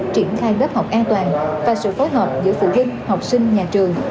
triển khai lớp học an toàn và sự phối hợp giữa phụ huynh học sinh nhà trường